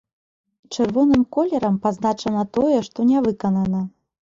Чырвоным колерам пазначана тое, што не выканана.